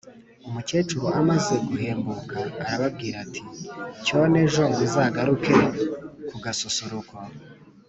umukecuru amaze guhembuka arababwira ati: “Cyono ejo muzagaruke ku gasusuruko